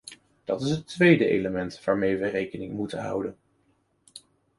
Dat is het tweede element waarmee we rekening moeten houden.